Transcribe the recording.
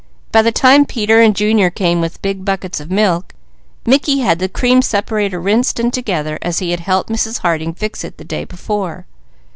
By the time Peter and Junior came with big buckets of milk, Mickey had the cream separator rinsed and together, as he had helped Mrs. Harding fix it the day before.